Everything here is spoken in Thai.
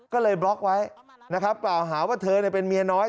ก็เลยบล็อกไว้บอกว่าเธอเป็นเมียน้อย